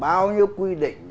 bao nhiêu quy định